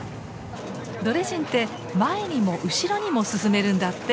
ドレジンって前にも後ろにも進めるんだって。